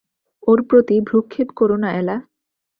ওর প্রতি ভ্রূক্ষেপ করো না এলা।